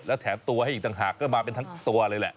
แล้วแถมตัวให้อีกต่างหากก็มาเป็นทั้งตัวเลยแหละ